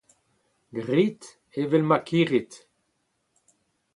Grit evel ma karit !